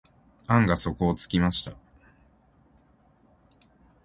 案が底をつきました。